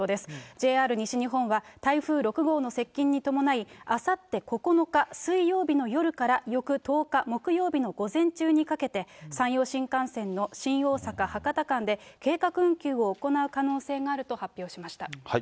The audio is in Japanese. ＪＲ西日本は台風６号の接近に伴い、あさって９日水曜日の夜から翌１０日木曜日の午前中にかけて、山陽新幹線の新大阪・博多間で、計画運休を行う可能性があると発表しました。